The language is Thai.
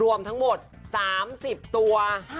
รวมทั้งหมด๓๐ตัว